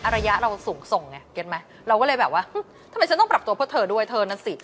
ระยะเราสูงส่งไงเก็ตไหมเราก็เลยแบบว่าทำไมฉันต้องปรับตัวเพื่อเธอด้วยเธอนั่นสิ